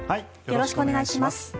よろしくお願いします。